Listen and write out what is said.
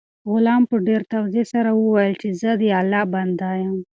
غلام په ډېر تواضع سره وویل چې زه د الله بنده یم.